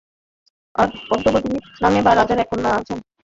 আর পদ্মাবতী নামে রাজার এক কন্যা আছেন।